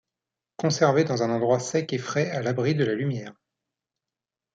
Conserver dans un endroit sec et frais à l'abri de la lumière.